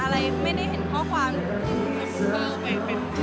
อาจารย์ผุนนี่ไม่สนิทกันค่ะไม่น่าเกี่ยวกัน